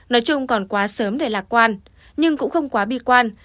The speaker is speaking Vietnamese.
nói chung còn quá sớm để lạc quan nhưng cũng không quá bi quan